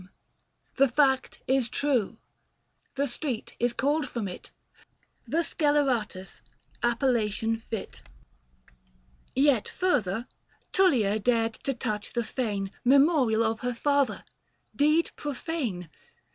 Book VI. The fact is true : the street is called from it The Sceleratus, appellation fit. Yet further, Tullia dared to touch the fane 740 Memorial of her father — deed profane